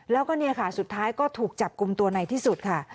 แล้วก็เนี่ยค่ะสุดท้ายก็ถูกจับกลุ่มตัวในที่สุดค่ะ